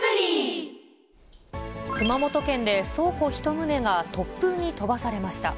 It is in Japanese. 熊本県で倉庫１棟が突風に飛ばされました。